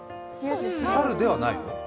猿ではない？